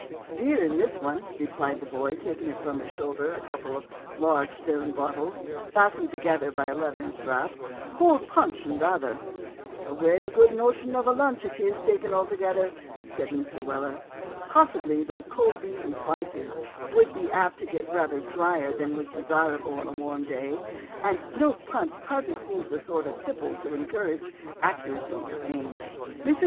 "Beer in this one," replied the boy, taking from his shoulder a couple of large stone bottles, fastened together by a leathern strap, "cold punch in t'other." "And a wery good notion of a lunch it is, take it altogether," said Mr. Weller. Possibly; though cold beef in slices would be apt to get rather dryer than was desirable on a warm day. And milk punch hardly seems the sort of tipple to encourage accuracy of aim. Mrs.